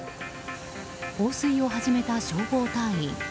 放水を始めた消防隊員。